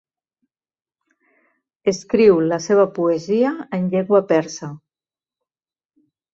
Escriu la seva poesia en llengua persa.